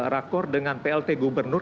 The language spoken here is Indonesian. rekor dengan plt gubernur